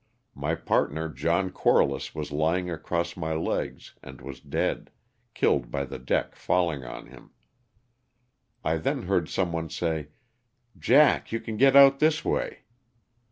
My partner, John Corliss, was ly ing across my legs and was dead, killed by the deck falling on him. I then heard someone say, "Jack, you can get out this way."